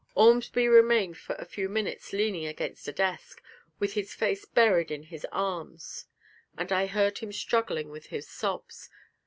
Ormsby remained for a few minutes leaning against a desk, with his face buried in his arms, and I heard him struggling with his sobs.